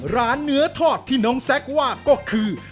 ร้านเนื้อทอดที่น้องแซคว่าก็คือ